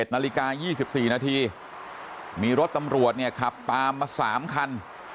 ๑นาฬิกา๒๔นาทีมีรถตำรวจเนี่ยขับตามมา๓คัน